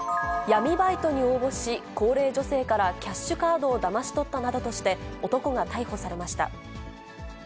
闇バイトに応募し、高齢女性からキャッシュカードをだまし取ったなどとして、男が逮捕されました。